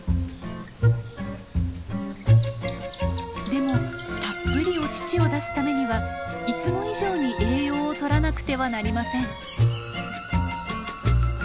でもたっぷりお乳を出すためにはいつも以上に栄養をとらなくてはなりません。